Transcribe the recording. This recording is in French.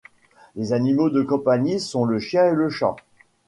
les animaux de compagnie sont le chien et le chat